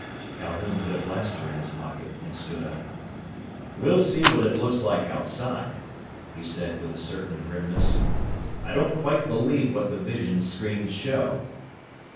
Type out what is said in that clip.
Calhoun put a blaster in his pocket and stood up. "We'll see what it looks like outside," he said with a certain grimness. "I don't quite believe what the vision screens show."